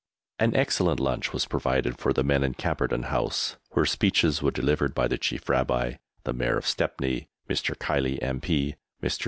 An excellent lunch was provided for the men in Camperdown House, where speeches were delivered by the Chief Rabbi, the Mayor of Stepney, Mr. Kiley, M.P., Mr.